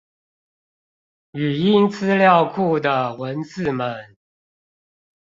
語音資料庫的文字們